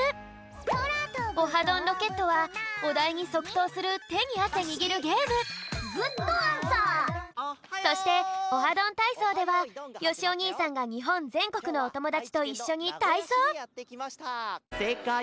「オハどんロケット」はおだいにそくとうするてにあせにぎるゲームそして「オハどんたいそう」ではよしおにいさんがにほんぜんこくのおともだちといっしょにたいそう！